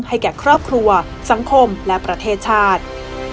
แก่ครอบครัวสังคมและประเทศชาติ